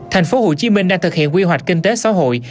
thành phố hồ chí minh đang thực hiện quy hoạch kinh tế xã hội